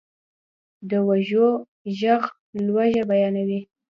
د وږو ږغ لوږه بیانوي.